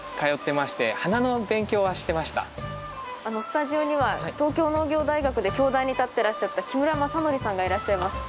スタジオには東京農業大学で教壇に立ってらっしゃった木村正典さんがいらっしゃいます。